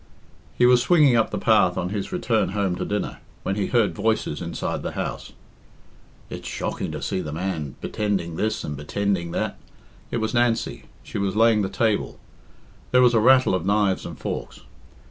He was swinging up the path on his return home to dinner, when he heard voices inside the house. "It's shocking to see the man bittending this and bittending that." It was Nancy; she was laying the table; there was a rattle of knives and forks.